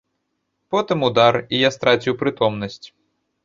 Потым удар, і я страціў прытомнасць.